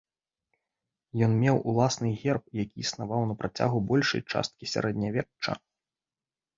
Ён меў уласны герб, які існаваў на працягу большай часткі сярэднявечча.